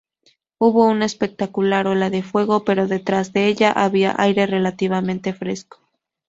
Hubo una espectacular ola de fuego, pero, detrás de ella, había aire relativamente fresco.